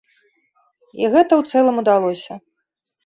І гэта ў цэлым удалося.